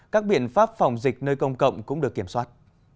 các biện pháp phòng dịch nơi công cộng cũng được kiểm soát